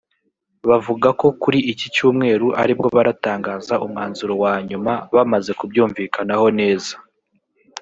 bavuga ko kuri iki Cyumweru ari bwo baratangaza umwanzuro wa nyuma bamaze kubyumvikanaho neza